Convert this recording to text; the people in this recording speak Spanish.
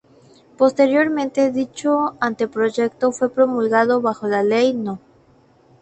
Posteriormente dicho anteproyecto fue promulgado bajo la Ley No.